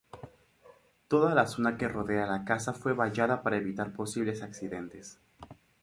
Toda la zona que rodea la casa fue vallada para evitar posibles accidentes.